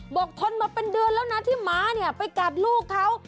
ทนมาเป็นเดือนแล้วนะที่หมาเนี่ยไปกัดลูกเขา